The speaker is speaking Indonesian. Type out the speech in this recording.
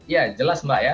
ya jelas mbak ya